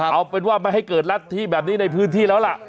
เอาเป็นว่าไม่ให้เกิดรัฐธิแบบนี้ในพื้นที่แล้วล่ะ